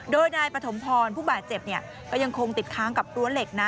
โดยนายปฐมพรผู้บาดเจ็บก็ยังคงติดค้างกับรั้วเหล็กนะ